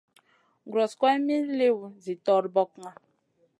Guros guroyna min liwna zi torbokna.